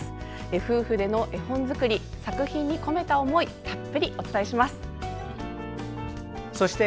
夫婦での絵本作り作品に込めた思いたっぷりお伝えします。